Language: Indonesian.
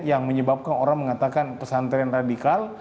yang menyebabkan orang mengatakan pesantren radikal